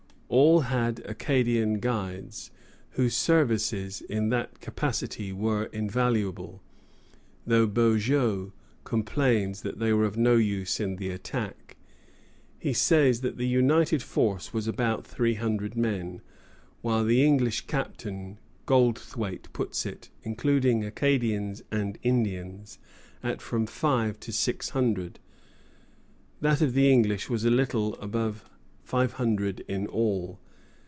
All had Acadian guides, whose services in that capacity were invaluable; though Beaujeu complains that they were of no use in the attack. He says that the united force was about three hundred men, while the English Captain Goldthwait puts it, including Acadians and Indians, at from five to six hundred. That of the English was a little above five hundred in all.